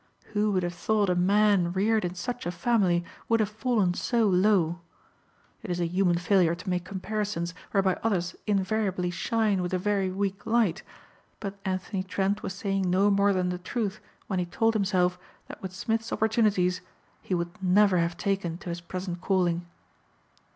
Who would have thought a man reared in such a family would have fallen so low! It is a human failure to make comparisons whereby others invariably shine with a very weak light, but Anthony Trent was saying no more than the truth when he told himself that with Smith's opportunities he would never have taken to his present calling.